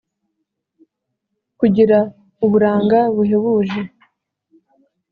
ugira uburanga buhebuje